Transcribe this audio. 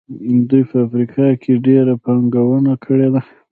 دوی په افریقا کې ډېره پانګونه کړې ده.